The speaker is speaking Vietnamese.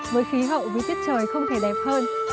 với khí hậu vì tiết trời không thể đẹp hơn